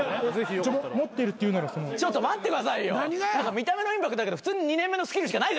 見た目のインパクトあるけど普通に２年目のスキルしかない。